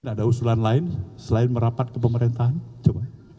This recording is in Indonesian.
ada usulan lain selain merapat ke pemerintahan